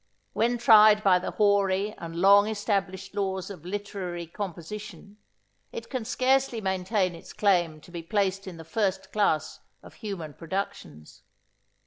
When tried by the hoary and long established laws of literary composition, it can scarcely maintain its claim to be placed in the first class of human productions.